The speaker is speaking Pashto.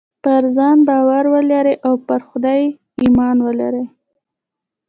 پر ځان ايمان ولرئ او پر خدای ايمان ولرئ.